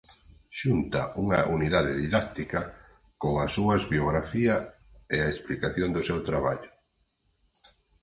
Xunta unha unidade didáctica, coa súas biografía e a explicación do seu traballo.